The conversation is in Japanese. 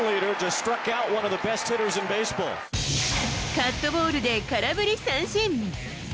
カットボールで空振り三振。